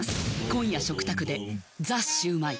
今夜食卓で「ザ★シュウマイ」